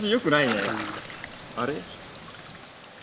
あれ？